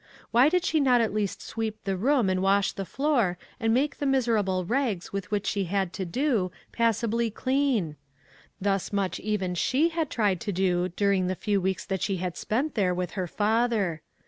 Why did she not at least sweep the room and wash the floor and make the miserable rags with which she had to do, passably clean ? Thus much even she had tried to do during the few weeks that she had spent there with her father.